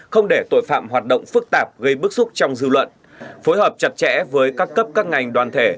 không để tội phạm hoạt động phức tạp gây bức xúc trong dư luận phối hợp chặt chẽ với các cấp các ngành đoàn thể